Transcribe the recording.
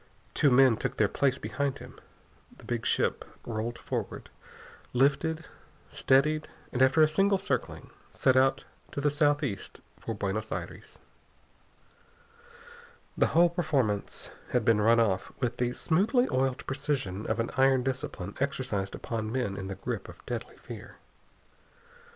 Two men took their place behind him. The big ship rolled forward, lifted, steadied, and after a single circling set out to the southeast for Buenos Aires. The whole performance had been run off with the smoothly oiled precision of an iron discipline exercised upon men in the grip of deadly fear.